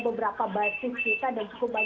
beberapa basis kita dan cukup baik